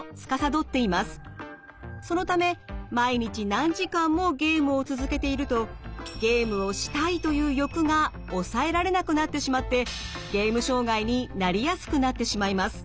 そのため毎日何時間もゲームを続けているとゲームをしたいという欲が抑えられなくなってしまってゲーム障害になりやすくなってしまいます。